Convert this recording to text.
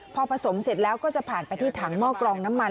พอผสมเสร็จแล้วก็จะผ่านไปที่ถังหม้อกรองน้ำมัน